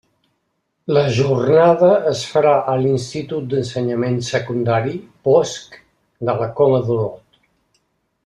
La jornada es farà a l'Institut d'Ensenyament Secundari Bosc de la Coma d'Olot.